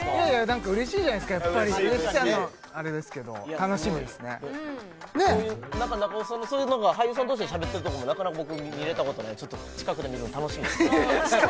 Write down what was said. なんか嬉しいじゃないすかやっぱり嬉しさのあれですけど楽しみですね中尾さんの俳優さんとしてしゃべってるとこもなかなか僕見れたことないちょっと近くで見るの楽しみですね